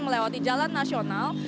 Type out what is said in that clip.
melewati jalan nasional